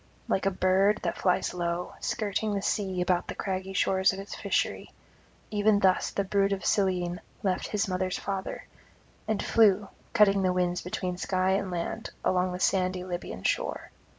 Like a bird that flies low, skirting the sea about the craggy shores of its fishery, even thus the brood of Cyllene left his mother's father, and flew, cutting the winds between sky and land, along the sandy Libyan shore.